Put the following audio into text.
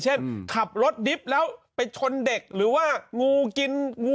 เช่นขับรถดิฟต์แล้วไปชนเด็กหรือว่างูกินงั่ว